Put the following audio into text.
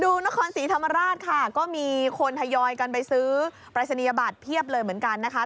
นครศรีธรรมราชค่ะก็มีคนทยอยกันไปซื้อปรายศนียบัตรเพียบเลยเหมือนกันนะคะ